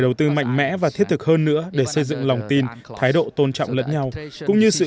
đầu tư mạnh mẽ và thiết thực hơn nữa để xây dựng lòng tin thái độ tôn trọng lẫn nhau cũng như sự